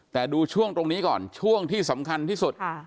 แต่ดูช่วงตรงนี้ก่อนช่วงที่สำคัญที่สุด